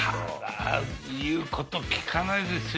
言うこと聞かないですよ